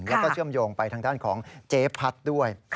แล้วก็เชื่อมโยงไปทางด้านของเจ๊พัดด้วย